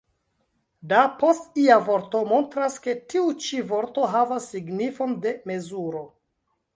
« Da » post ia vorto montras, ke tiu ĉi vorto havas signifon de mezuro.